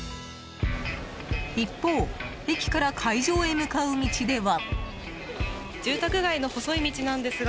一方、駅から会場へ向かう道では。